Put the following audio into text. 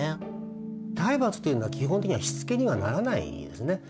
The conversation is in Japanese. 体罰というのは基本的にはしつけにはならないですね。